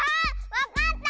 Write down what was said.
わかった！